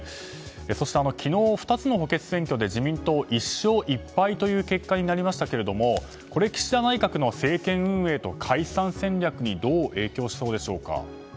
そして昨日、２つの補欠選挙で自民党は１勝１敗という結果になりましたけれども岸田内閣の政権運営と解散戦略にどう影響しそうでしょうか。